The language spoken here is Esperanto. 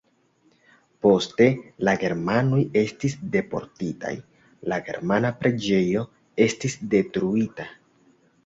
Poste la germanoj estis deportitaj, la germana preĝejo estis detruita.